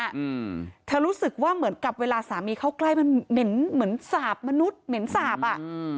อืมเธอรู้สึกว่าเหมือนกับเวลาสามีเข้าใกล้มันเหม็นเหมือนสาบมนุษย์เหม็นสาบอ่ะอืม